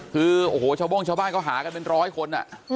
คือโอ้โหชาวโบ้งชาวบ้านเขาหากันเป็นร้อยคน